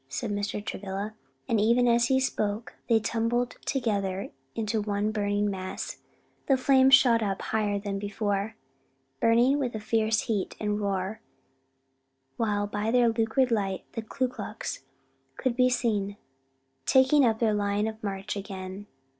said Mr. Travilla, and even as he spoke they tumbled together into one burning mass, the flames shot up higher than before, burning with a fierce heat and roar, while by their lurid light the Ku Klux could be seen taking up their line of march again.